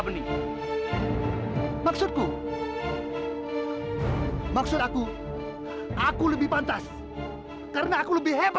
pasti aku akan mencari siapa saja yang akan mencari kami vitamin a